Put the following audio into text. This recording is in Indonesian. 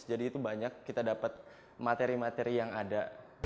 jadi itu banyak kita dapat materi materi yang ada